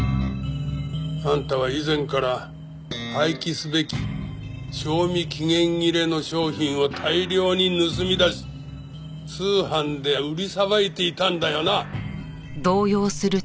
あんたは以前から廃棄すべき賞味期限切れの商品を大量に盗み出し通販で売りさばいていたんだよな？